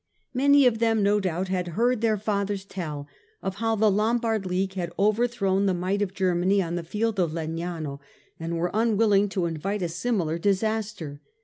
Many of them no doubt had heard their fathers tell of how the Lom bard League had overthrown the might of Germany on the field of Legnano, and were unwilling to invite a similar disaster.